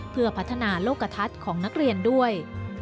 เพื่อพัฒนาโลกทัศน์ของนักเรียนด้วย